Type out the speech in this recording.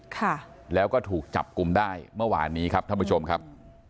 ค่ะแล้วก็ถูกจับกลุ่มได้เมื่อวานนี้ครับท่านผู้ชมครับ